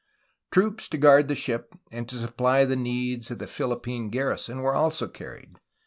Troops to guard the ship and to supply the needs of the Philippine garrison were also carried.